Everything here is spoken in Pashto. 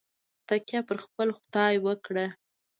تکیه پر خپل خدای وکړه.